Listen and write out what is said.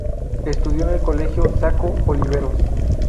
Estudió en el Colegio Saco Oliveros.